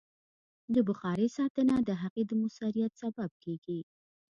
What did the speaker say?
د بخارۍ ساتنه د هغې د مؤثریت سبب کېږي.